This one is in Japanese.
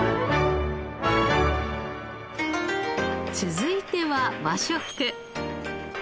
続いては和食。